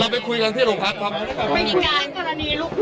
เราไปคุยกันที่หลวงพักครับเป็นการกรณีลูกพื้นที่